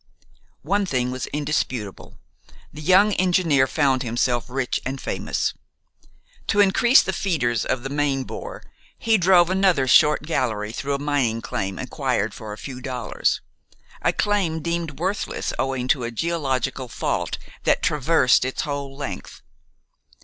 Once the thing was indisputable, the young engineer found himself rich and famous. To increase the feeders of the main bore, he drove another short gallery through a mining claim acquired for a few dollars, a claim deemed worthless owing to a geological fault that traversed its whole length.